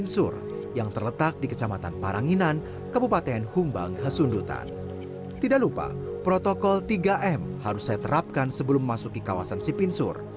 sekol tiga m harus saya terapkan sebelum memasuki kawasan sipinsur